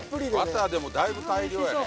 バターだいぶ大量やね。